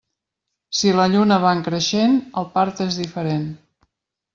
Si la lluna va en creixent, el part és diferent.